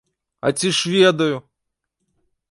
А ці ж ведаю?